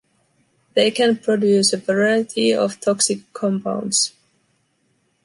They can produce a variety of toxic compounds.